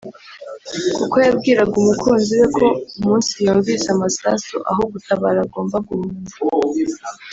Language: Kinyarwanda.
kuko yabwiraga umukunzi we ko umunsi yumvise amasasu aho gutabara agomba guhunga